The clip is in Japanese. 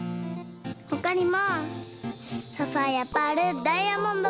ほかにもサファイアパールダイヤモンドもあります。